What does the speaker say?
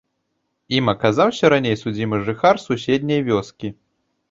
Ім аказаўся раней судзімы жыхар суседняй вёскі.